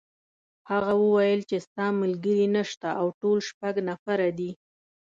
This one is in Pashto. هغه وویل چې ستا ملګري نشته او ټول شپږ نفره دي.